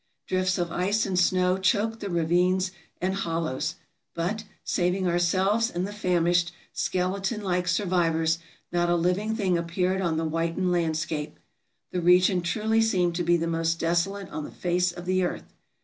Drifts of ice and snow choked the ravines and hollows; but, saving ourselves and the famished, skeleton like survivors, not a living thing appeared on the whitened landscape. The region truly seemed to be the most desolate on the face of the earth.